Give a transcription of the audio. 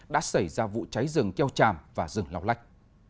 đã xảy ra vụ cháy rừng keo tràm và rừng lau lách